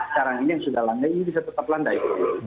sekarang ini yang sudah langgai bisa tetap landai